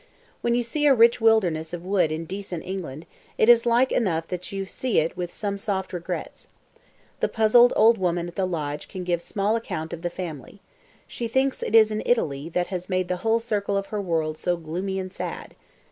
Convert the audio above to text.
When you see a rich wilderness of wood in decent England, it is like enough that you see it with some soft regrets. The puzzled old woman at the lodge can give small account of "the family." She thinks it is "Italy" that has made the whole circle of her world so gloomy and sad.